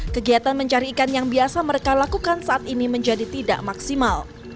kegiatan mencari ikan yang biasa mereka lakukan saat ini menjadi tidak maksimal